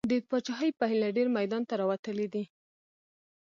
د پاچاهۍ په هیله ډېر میدان ته راوتلي دي.